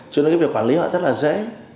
cho nên việc quản lý họ rất là dễ